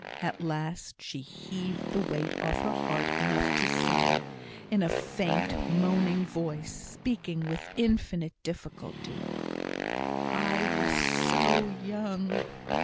At last she heaved the weight off her heart enough to say, in a faint, moaning voice, speaking with infinite difficulty: "I was so young."